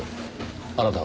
あなたは？